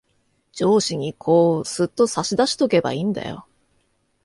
上司にこう、すっと差し出しとけばいんだよ。